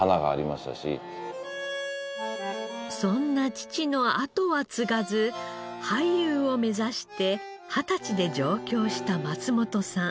そんな父の後は継がず俳優を目指して２０歳で上京した松本さん。